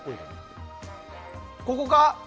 ここか？